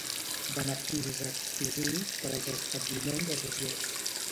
Beneficis exclusius per als establiments associats